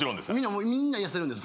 みんな癒せるんですか？